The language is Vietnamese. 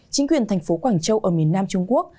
chính quyền thành phố quảng châu ở miền nam trung quốc